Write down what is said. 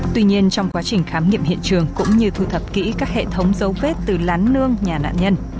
tuy nhiên trong quá trình khám nghiệm hiện trường cũng như thu thập kỹ các hệ thống dấu vết từ lán nương nhà nạn nhân